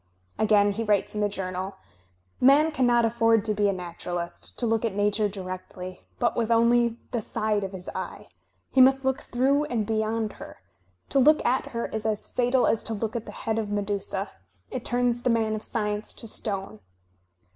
Again he writes in the Journal: ''Man cannot afford to be a naturalist, to look at Nature directly, but with only the side of his eye. He must look through and beyond her. To look at her is as fatal as to look at the head of Medusa. It turns the man of sdence to stone."